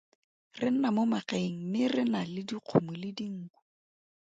Re nna mo magaeng mme re na le dikgomo le dinku.